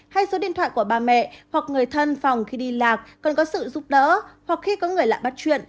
hay số điện thoại của bà mẹ hoặc người thân phòng khi đi lạc còn có sự giúp đỡ hoặc khi có người lạ bắt chuyện